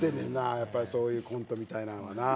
やっぱりそういうコントみたいなんはな。